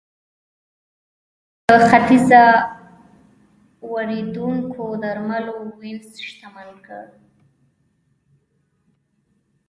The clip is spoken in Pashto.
له ختیځه واردېدونکو درملو وینز شتمن کړ